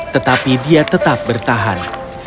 tetapi dia tetap bertahan